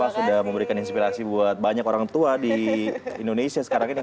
sudah memberikan inspirasi buat banyak orang tua di indonesia sekarang ini